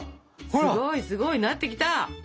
すごいすごいなってきた！